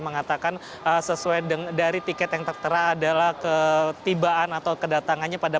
yang bisa mengatakan sesuai dari tiket yang tertera adalah ketibaan atau kedatangannya